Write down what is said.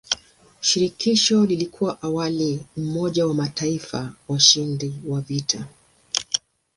Shirikisho lilikuwa awali umoja wa mataifa washindi wa vita.